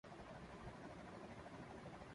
فورا دھر لیا جائے گا اور سمجھ آ جائے گی۔